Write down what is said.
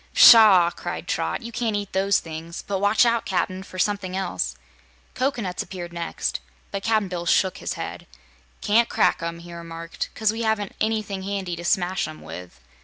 "Pshaw!" cried Trot. "You can't eat those things; but watch out, Cap'n, for something else." Cocoanuts next appeared, but Cap'n Bill shook his head. "Ca'n't crack 'em," he remarked, "'cause we haven't anything handy to smash 'em with."